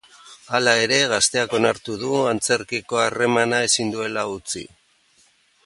Hala ere, gazteak onartu du antzerkiko harremana ezin duela utzi.